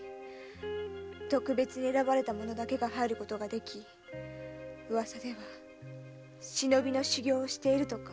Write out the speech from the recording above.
特別に選ばれた者だけが入ることができウワサでは「忍び」の修行をしているとか。